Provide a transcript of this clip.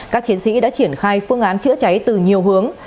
các chiến sĩ đã triển khai phương án chữa cháy từ nhiều hướng